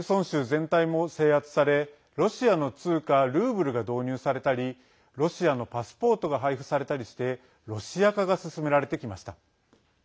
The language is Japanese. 全体も制圧されロシアの通貨ルーブルが導入されたりロシアのパスポートが配布されたりしてロシア化が進められてきました。